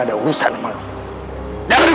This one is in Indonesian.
mereka buat aku